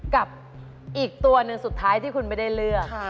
กับอีกตัวหนึ่งสุดท้ายที่คุณไม่ได้เลือก